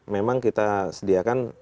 memang kita sediakan